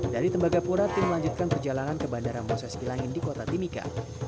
dari tembagapura tim melanjutkan perjalanan ke bandara moses kilangin di kota timika